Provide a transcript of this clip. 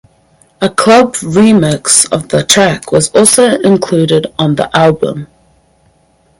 A club remix of the track was also included on the album.